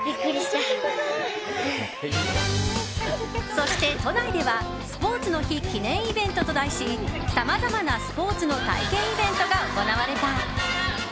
そして、都内ではスポーツの日記念イベントと題しさまざまなスポーツの体験イベントが行われた。